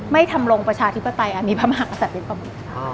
ทำลงประชาธิปไตยอันนี้พระมหากษัตริย์เป็นประมุก